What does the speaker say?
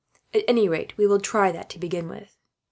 At any rate, we will try that to begin with."